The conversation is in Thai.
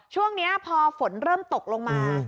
ช่วงนี้พอฝนเริ่มตกลงมา